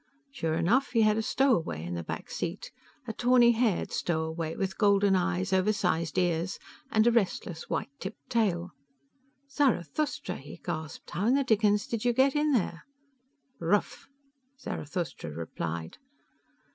Sure enough, he had a stowaway in the back seat a tawny haired stowaway with golden eyes, over sized ears, and a restless, white tipped tail. "Zarathustra!" he gasped. "How in the dickens did you get in there?" "Ruf," Zarathustra replied.